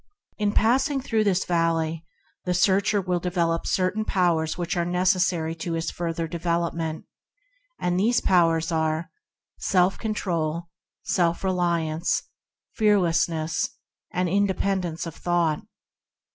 In passing through this Valley, the searcher will develop certain powers necessary to his further advancement; and these powers are: self control, self reliance, fearlessness, and independence of thought.